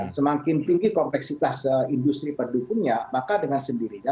semakin tinggi kompleksitas industri pendukungnya maka dengan sendirinya